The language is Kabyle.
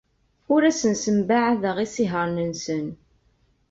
Ur asen-ssembaɛadeɣ isihaṛen-nsen.